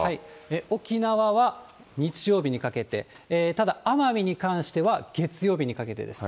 沖縄は日曜日にかけて、ただ奄美に関しては、月曜日にかけてです。